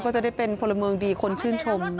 ก็จะได้เป็นพลเมืองดีคนชื่นชม